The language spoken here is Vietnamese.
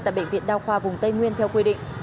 tại bệnh viện đa khoa vùng tây nguyên theo quy định